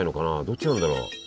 どっちなんだろう？